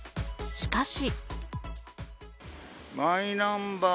しかし。